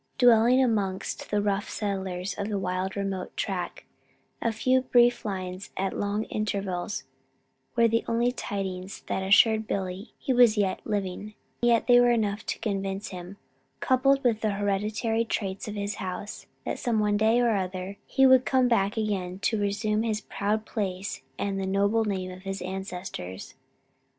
Dwelling amongst the rough settlers of a wild remote tract, a few brief lines at long intervals were the only tidings that assured Billy he was yet living; yet were they enough to convince him, coupled with the hereditary traits of his house, that some one day or other he would come back again to resume his proud place and the noble name of his ancestors.